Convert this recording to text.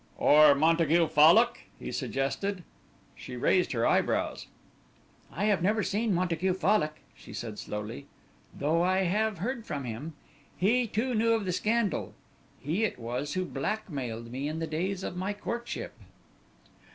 "Or Montague Fallock?" he suggested. She raised her eyebrows. "I have never seen Montague Fallock," she said slowly, "though I have heard from him. He, too, knew of the scandal; he it was who blackmailed me in the days of my courtship."